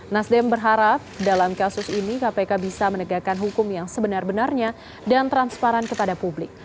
nasdem berharap dalam kasus ini kpk bisa menegakkan hukum yang sebenar benarnya dan transparan kepada publik